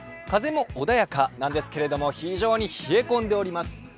風も穏やかなんですけど、非常に冷え込んでおります。